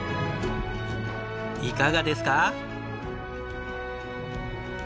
いかがですか？